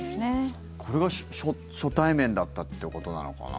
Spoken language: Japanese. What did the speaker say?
これが初対面だったということなのかな。